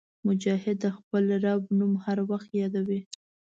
مجاهد د خپل رب نوم هر وخت یادوي.